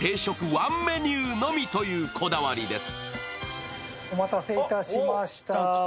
ワンメニューのみというこだわりです。